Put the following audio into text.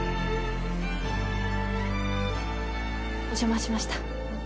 お邪魔しました。